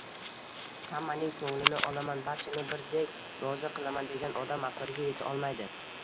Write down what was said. Hammaning ko‘nglini olaman, barchani birdek rozi qilaman, degan odam maqsadiga yeta olmaydi.